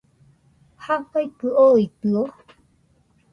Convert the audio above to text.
¿jafaikɨ ooitɨo.?